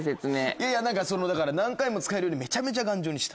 いや何かそのだから何回も使えるようにめちゃめちゃ頑丈にした。